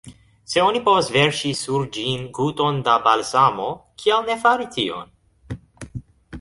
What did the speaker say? Se oni povas verŝi sur ĝin guton da balzamo, kial ne fari tion?